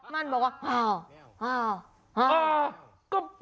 มันบอกว่าอ่าว